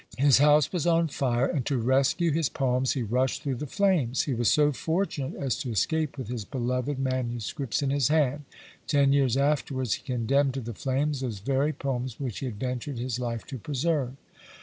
His house was on fire, and to rescue his poems he rushed through the flames. He was so fortunate as to escape with his beloved manuscripts in his hand. Ten years afterwards he condemned to the flames those very poems which he had ventured his life to preserve.